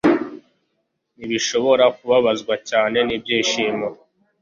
Nibishobora kubabazwa cyane nibyishimo